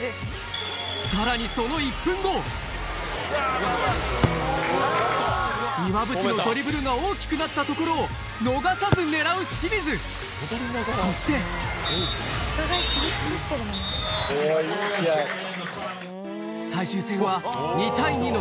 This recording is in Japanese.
さらにその１分後岩渕のドリブルが大きくなったところを逃さず狙う清水そして最終戦は２対２の